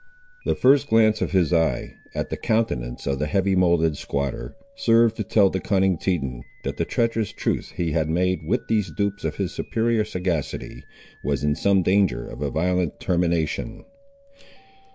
The first glance of his eye, at the countenance of the heavy moulded squatter, served to tell the cunning Teton, that the treacherous truce he had made, with these dupes of his superior sagacity, was in some danger of a violent termination.